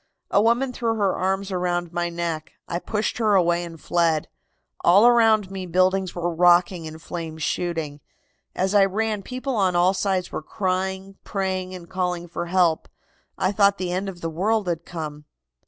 A woman threw her arms around my neck. I pushed her away and fled. All around me buildings were rocking and flames shooting. As I ran people on all sides were crying, praying and calling for help. I thought the end of the world had come.